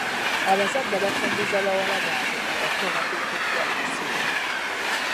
Abazadde abafumbiza bawala baabwe abato bateekeddwa okusibwa .